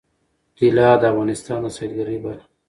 طلا د افغانستان د سیلګرۍ برخه ده.